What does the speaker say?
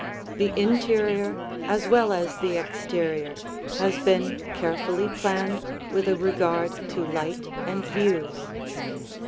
The interior as well as the exterior has been carefully planned with a regard to light and views.